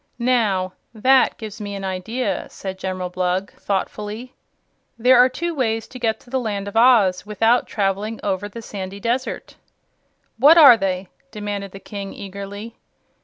"Now that gives me an idea," said General Blug, thoughtfully. "There are two ways to get to the Land of Oz without traveling across the sandy desert." "What are they?" demanded the King, eagerly.